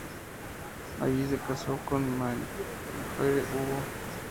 Allí se casó con "Marjorie Hugo".